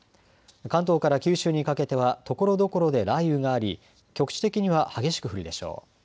関東から九州にかけてはところどころで雷雨があり局地的には激しく降るでしょう。